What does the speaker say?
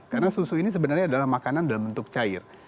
karena susu ini sebenarnya adalah makanan dalam bentuk cair